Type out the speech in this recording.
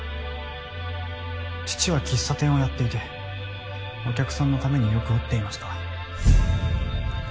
父は喫茶店をやっていてお客さんのためによく折っていました。